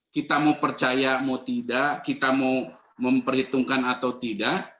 kita mau percaya mau tidak kita mau memperhitungkan atau tidak